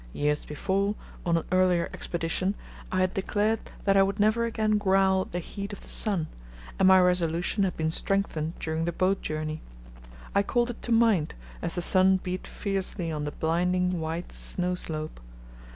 Years before, on an earlier expedition, I had declared that I would never again growl at the heat of the sun, and my resolution had been strengthened during the boat journey. I called it to mind as the sun beat fiercely on the blinding white snow slope.